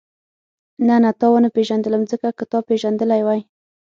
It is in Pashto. نه نه تا ونه پېژندلم ځکه که تا پېژندلې وای.